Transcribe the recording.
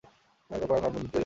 তারপর আর মন্দিরটি তৈরি হয়নি।